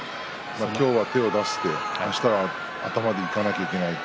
今日は手を出してあしたは頭でいかないといけない。